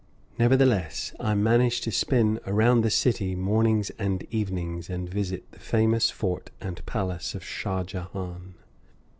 Nevertheless, I manage to spin around the city mornings and evenings, and visit the famous fort and palace of Shah Jehan.